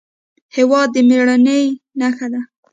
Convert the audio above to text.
هېواد د مېړانې نښه ده.